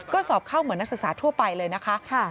ก็สอบเข้าเหมือนนักศึกษาทั่วไปเลยนะคะ